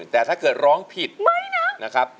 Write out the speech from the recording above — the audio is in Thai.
สวัสดีครับ